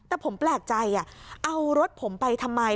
แต่ผมแปลกใจเอารถผมไปทำไม